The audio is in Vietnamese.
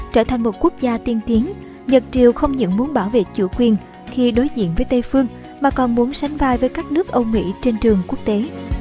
trở thành một quốc gia tiên tiến nhật triều không những muốn bảo vệ chủ quyền khi đối diện với tây phương mà còn muốn sánh vai với các nước âu mỹ trên trường quốc tế